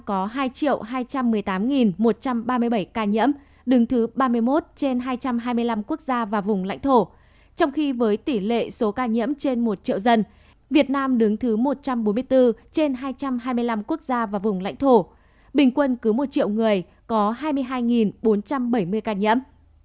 có hai hai trăm một mươi tám một trăm ba mươi bảy ca nhiễm đứng thứ ba mươi một trên hai trăm hai mươi năm quốc gia và vùng lãnh thổ trong khi với tỷ lệ số ca nhiễm trên một triệu dân việt nam đứng thứ một trăm bốn mươi bốn trên hai trăm hai mươi năm quốc gia và vùng lãnh thổ bình quân cứ một triệu người có hai mươi hai bốn trăm bảy mươi ca nhiễm